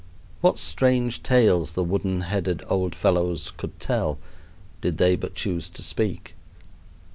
What strange tales the wooden headed old fellows could tell did they but choose to speak!